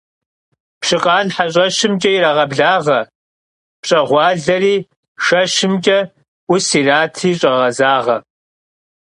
Пщыкъан хьэщӀэщымкӀэ ирагъэблагъэ, пщӀэгъуалэри шэщымкӀэ Ӏус иратри щагъэзагъэ.